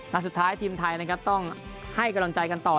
และสุดท้ายทีมไทยต้องให้กำลังใจกันต่อ